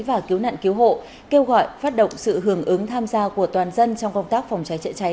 và cứu nạn cứu hộ kêu gọi phát động sự hưởng ứng tham gia của toàn dân trong công tác phòng cháy chữa cháy